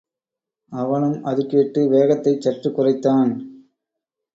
அவனும் அது கேட்டு வேகத்தைச் சற்றுக்குறைத்தான்.